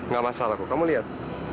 gak masalah kok kamu lihat